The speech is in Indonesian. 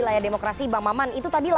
terima kasih pak boktik